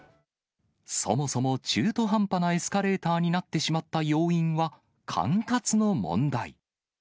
そもそも中途半端なエスカレーターになってしまった要因は管轄の問題。